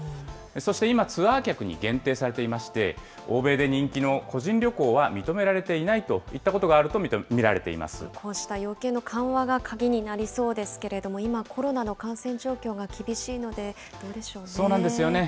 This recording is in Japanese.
そして今、ツアー客に限定されていまして、欧米で人気の個人旅行は認められていないといったことこうした要件の緩和が鍵になりそうですけれども、今、コロナの感染状況が厳しいので、どうでそうなんですよね。